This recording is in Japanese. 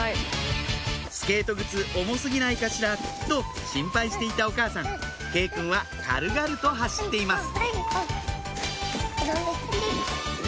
スケート靴重過ぎないかしらと心配していたお母さん佳依くんは軽々と走っています